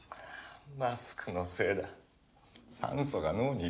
マスクのせいだッ！